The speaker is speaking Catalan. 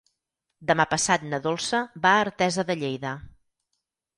Demà passat na Dolça va a Artesa de Lleida.